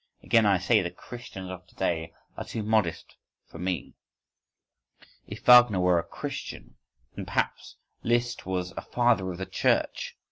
Again I say, the Christians of to day are too modest for me.… If Wagner were a Christian, then Liszt was perhaps a Father of the Church!